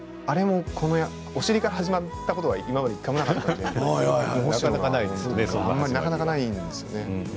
お尻から始まったことは今まで一度もなかったのでなかなかないんですよね。